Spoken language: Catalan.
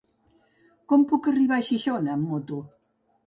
Com puc arribar a Xixona amb moto?